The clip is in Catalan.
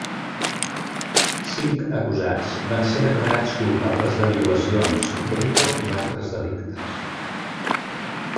Cinc acusats van ser declarats culpables de violacions Rico i altres delictes.